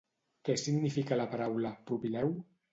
Què significa la paraula "propileu"?